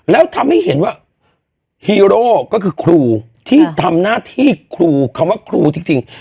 แล้วทำให้เห็นว่าฮีโร่ก็คือครูที่ทำหน้าที่ครูคำว่าครูจริง